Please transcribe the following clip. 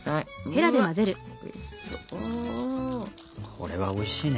これはおいしいね。